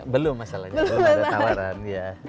belum masalahnya belum ada tawaran ya